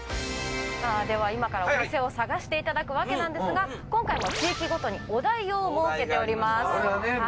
では今からお店を探していただくわけなんですが今回は地域ごとにお題を設けております。